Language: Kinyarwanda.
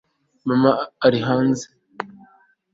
mama ari hanze